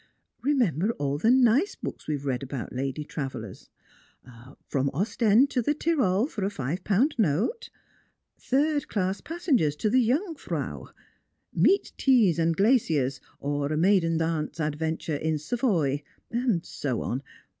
" Re member all the nice books we've read about lady travellers —' From Ostendto the Tyrol for a Five pound Note;' ' Third class Passengers to the Jungfrau ;'' Meat teas and Glaciers ; or a Maiden Aunt's Adventures in Savoy ;' and so on.